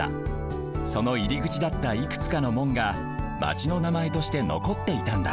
そのいりぐちだったいくつかの門がマチのなまえとしてのこっていたんだ